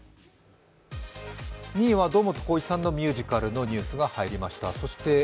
２位は堂本光一さんのミュージカルのニュースが入りました。